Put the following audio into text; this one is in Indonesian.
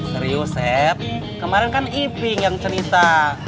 seriuset kemarin kan iping yang cerita